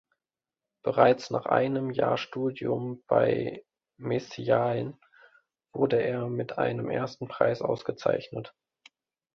Bereits nach einem Jahr Studium bei Messiaen wurde er mit einem ersten Preis ausgezeichnet.